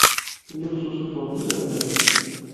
Lliɣ ssusufeɣ-d idammen.